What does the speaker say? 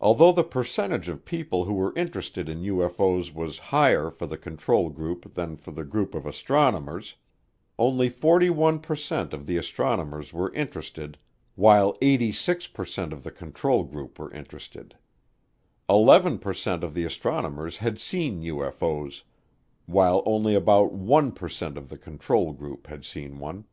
Although the percentage of people who were interested in UFO's was higher for the control group than for the group of astronomers, only 41 per cent of the astronomers were interested while 86 per cent of the control group were interested; 11 per cent of the astronomers had seen UFO's, while only about 1 per cent of the control group had seen one.